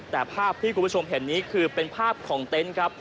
แต่ภาพที่คุณผู้ชมเห็นนี้คือเป็นภาพของเต็นต์ครับ